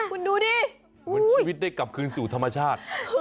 เหมือนชีวิตได้กลับคืนสู่ธรรมชาติ